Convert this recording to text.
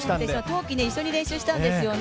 冬季、一緒に練習をしたんですよね。